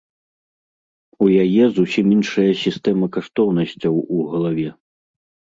У яе зусім іншая сістэма каштоўнасцяў у галаве.